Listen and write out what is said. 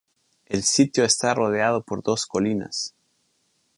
El sitio está rodeado por dos colinas.